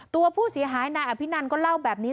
ตัวผู้เสียหายนายอภินันก็เล่าแบบนี้